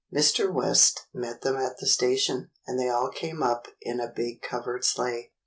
Mr. West met them at the station, and they all came up in a big covered sleigh.